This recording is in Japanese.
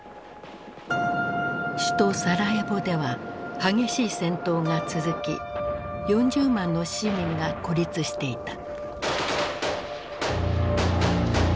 首都サラエボでは激しい戦闘が続き４０万の市民が孤立していた。